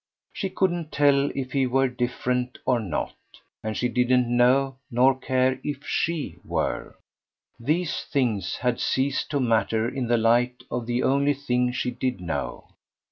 She couldn't tell if he were different or not, and she didn't know nor care if SHE were: these things had ceased to matter in the light of the only thing she did know.